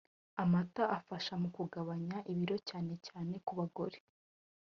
Amata afasha mu kugabanya ibiro cyane cyane ku bagore